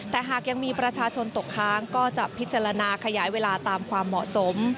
แต่หากยังมีประชาชนตกค้างก็จะพิจารณาขยายเวลาตามความเหมาะสม